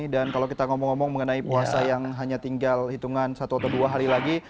dan kalau kita ngomong ngomong mengenai puasa yang hanya tinggal hitungan satu atau dua hari lagi